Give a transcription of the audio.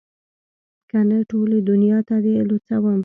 که نه ټولې دونيا ته دې لوڅوم.